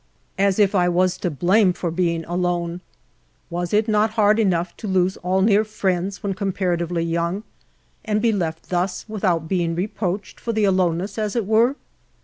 As if I was to blame for being alone ! Was it not hard enough to lose all near friends when comparatively young, and be left thus, without being reproached for the aloneness, as it were